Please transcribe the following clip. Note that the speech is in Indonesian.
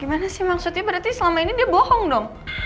gimana sih maksudnya berarti selama ini dia bohong dong